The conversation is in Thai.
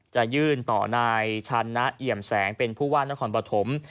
จะยื่นต่อนายชันนะเอี่ยมแสงเป็นผู้ว่านครปฐม